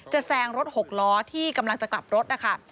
แซงรถหกล้อที่กำลังจะกลับรถนะคะ